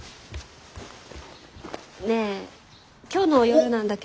ねえ今日の夜なんだけど。